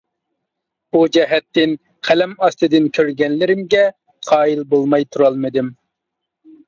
بۇ جەھەتتىن قەلەم ئاستىدىن كۆرگەنلىرىمگە قايىل بولماي تۇرالمىدىم.